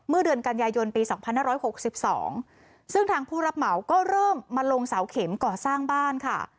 มือเดือนกันยายนปีสองพันห้าร้อยหกสิบสองซึ่งทางผู้รับเหมาก็เริ่มมาลงเสาเข็มก่อสร้างบ้านค่ะ